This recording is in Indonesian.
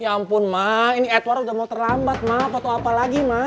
ya ampun ma ini edward udah mau terlambat ma foto apa lagi ma